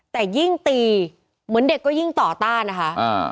แต่ยิ่งตีเหมือนเด็กก็ยิ่งต่อต้านนะคะ